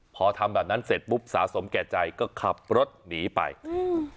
พอทำแบบนั้นเสร็จปุ๊บสะสมแก่ใจก็ขับรถหนีไปอืม